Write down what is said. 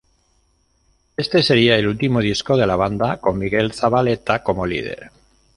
Este sería el último disco de la banda con Miguel Zavaleta como líder.